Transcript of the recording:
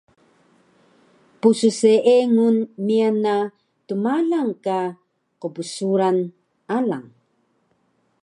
Psseengun miyan na tmalang ka qbsuran alang